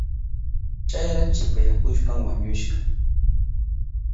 Chayra shipasyahushpan wañushka.